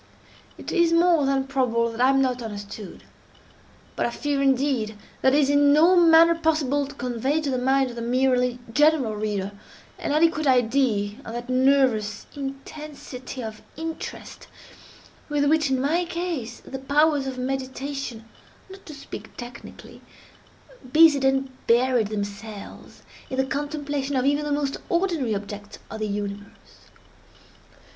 It is more than probable that I am not understood; but I fear, indeed, that it is in no manner possible to convey to the mind of the merely general reader, an adequate idea of that nervous intensity of interest with which, in my case, the powers of meditation (not to speak technically) busied and buried themselves, in the contemplation of even the most ordinary objects of the universe.